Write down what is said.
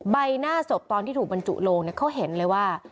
ใบหน้าศพตอนที่ถูกบรรจุลงเขาเห็นเลยว่า